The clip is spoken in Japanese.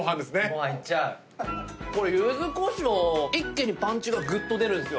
ゆずこしょう一気にパンチがぐっと出るんですよ。